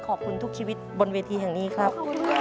ขอบคุณทุกชีวิตบนเวทีแห่งนี้ครับ